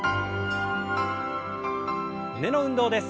胸の運動です。